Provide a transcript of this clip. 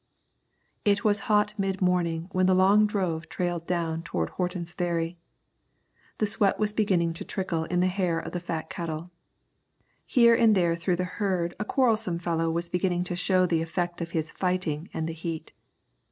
It was hot mid morning when the long drove trailed down toward Horton's Ferry. The sweat was beginning to trickle in the hair of the fat cattle. Here and there through the herd a quarrelsome fellow was beginning to show the effect of his fighting and the heat.